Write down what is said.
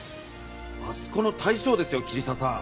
あそこの大将ですよ桐沢さん。